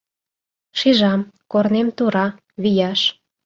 Шижам: корнем тура, вияш.